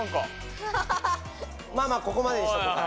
まあまあここまでにしとこうかな。